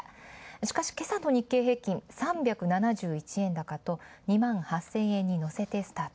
しかし今朝の日経平均、３７１円高と、２８０００円にのせてスタート。